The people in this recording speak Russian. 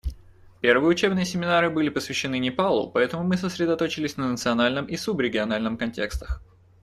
Первые учебные семинары были посвящены Непалу, поэтому мы сосредоточились на национальном и субрегиональном контекстах.